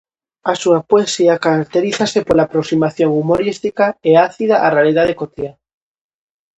A súa poesía caracterízase pola aproximación humorística e ácida á realidade cotiá.